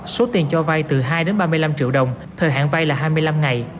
số tiền cho vai từ hai ba mươi năm triệu đồng thời hạn vay là hai mươi năm ngày